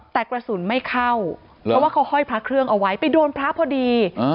แต่กระสุนไม่เข้าเพราะว่าเขาห้อยพระเครื่องเอาไว้ไปโดนพระพอดี